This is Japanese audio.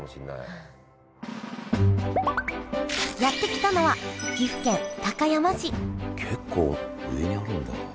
やって来たのは岐阜県高山市結構上にあるんだ。